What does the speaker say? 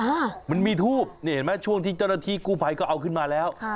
อ่ามันมีทูบนี่เห็นไหมช่วงที่เจ้าหน้าที่กู้ภัยก็เอาขึ้นมาแล้วค่ะ